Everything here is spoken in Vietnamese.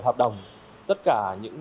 hợp đồng tất cả những